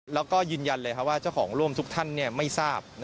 แล้วก็ยืนยันเลยว่าเจ้าของร่วมทุกท่านไม่ทราบ